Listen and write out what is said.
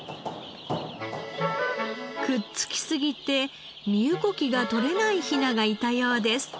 くっつきすぎて身動きが取れないヒナがいたようです。